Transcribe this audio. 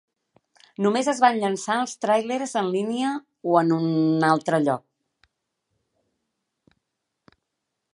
Només es van llançar els tràilers en línia o en un altre lloc.